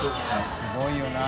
すごいよな。